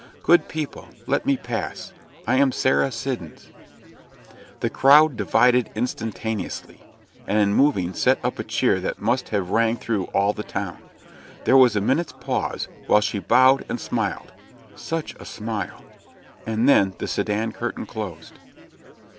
"Good people, let me pass I am Sarah Siddons." The crowd divided instantaneously, and in moving set up a cheer that must have rang through all the town. There was a minute's pause, while she bowed and smiled such a smile! and then the sedan curtain closed.